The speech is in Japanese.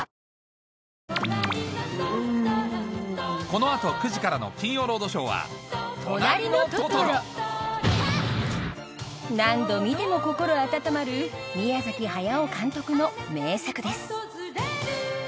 この後９時からの『金曜ロードショー』は何度見ても心温まる宮崎駿監督の名作です